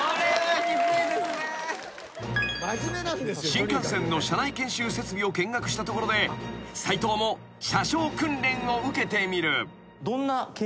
［新幹線の車内研修設備を見学したところで斎藤も車掌訓練を受けてみる］